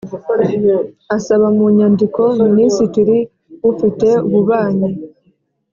Asaba mu nyandiko minisitiri ufite ububanyi